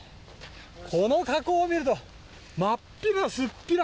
この火口を見るとまっぴらすっぴら